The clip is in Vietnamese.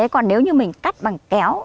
còn nếu như mình cắt bằng kéo